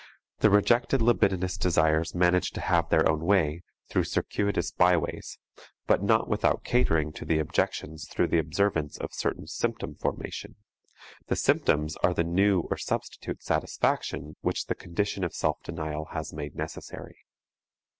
The rejected libidinous desires manage to have their own way, through circuitous byways, but not without catering to the objections through the observance of certain symptom formation; the symptoms are the new or substitute satisfaction which the condition of self denial has made necessary.